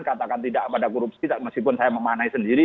katakan tidak pada korupsi meskipun saya memanai sendiri